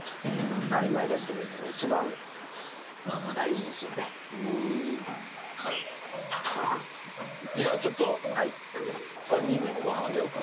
当たり前ですけど、一番大事じゃあ、ちょっと３ニャンにもごはんあげようか。